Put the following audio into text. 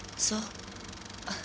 そう。